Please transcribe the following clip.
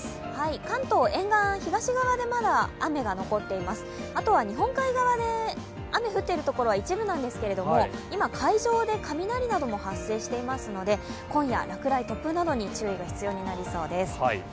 関東沿岸、東側でまだ雨が残っています、あとは日本海側で雨が降っている所は一部なんですけど今海上で雷なども発生していますので、今夜、落雷・突風などに注意が必要になりそうです。